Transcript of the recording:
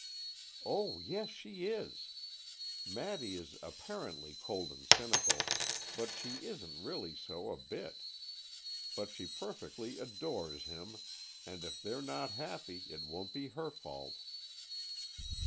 "Oh, yes, she is! Maddy is apparently cold and cynical, but she isn't really so a bit. But she perfectly adores him, and if they're not happy, it won't be her fault."